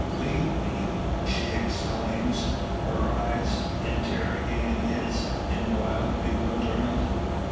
"Leave me!" she exclaims, her eyes interrogating his in wild bewilderment.